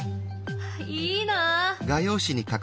いいなあ。